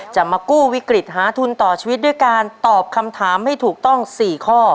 จะมากู้วิกฤตหาทุนต่อชีวิตด้วยการตอบคำถามให้ถูกต้อง๔ข้อ